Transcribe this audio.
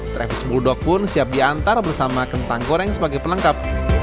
trevis buldok pun siap diantar bersama kentang goreng sebagai pelengkap